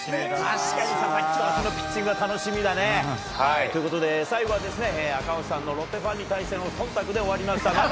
確かに、佐々木君のピッチング楽しみだね。ということで最後は赤星さんのロッテファンに対しての忖度で終わりました。